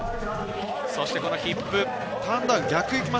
そして、このヒップ。